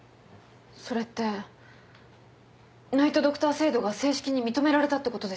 それってナイト・ドクター制度が正式に認められたってことですか？